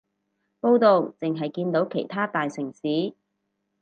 報導淨係見到其他大城市